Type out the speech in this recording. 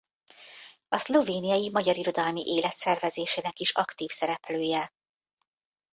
A szlovéniai magyar irodalmi élet szervezésének is aktív szereplője.